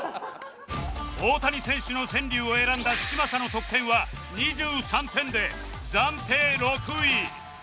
大谷選手の川柳を選んだ嶋佐の得点は２３点で暫定６位